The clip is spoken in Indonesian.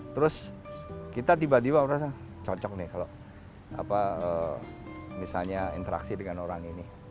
terus kita tiba tiba merasa cocok nih kalau misalnya interaksi dengan orang ini